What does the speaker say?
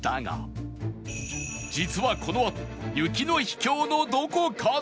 実はこのあと雪の秘境のどこかで